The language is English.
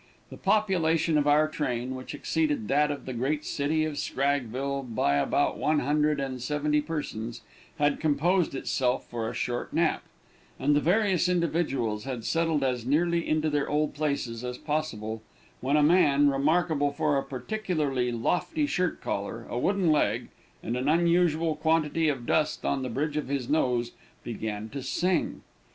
The population of our train, which exceeded that of the great city of Scraggville by about one hundred and seventy persons, had composed itself for a short nap, and the various individuals had settled as nearly into their old places as possible, when a man, remarkable for a particularly lofty shirt collar, a wooden leg, and an unusual quantity of dust on the bridge of his nose, began to sing.